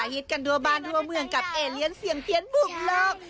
ฮิตกันทั่วบ้านทั่วเมืองกับเอเลียนเสียงเพี้ยนมุมโลก